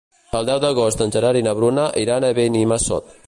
El deu d'agost en Gerard i na Bruna iran a Benimassot.